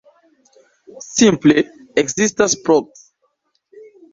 Simple ekzistas proks.